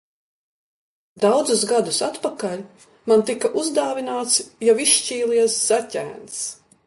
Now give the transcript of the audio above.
Daudzus gadus atpakaļ man tika uzdāvināts jau izšķīlies zaķēns.